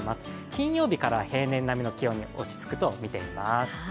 金曜日からは平年並みの気温に落ち着くとみています。